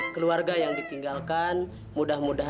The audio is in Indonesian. kurusin dikit kak